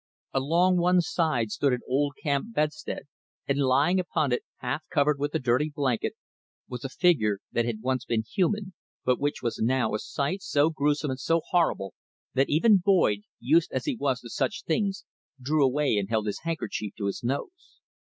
Along one side stood an old camp bedstead, and lying upon it, half covered with a dirty blanket, was a figure that had once been human but which was now a sight so gruesome and so horrible that even Boyd, used as he was to such things, drew away and held his handkerchief to his nose.